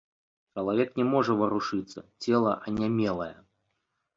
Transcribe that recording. Чалавек не можа варушыцца, цела анямелае.